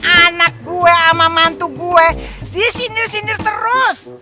anak gue sama mantu gue disindir sindir terus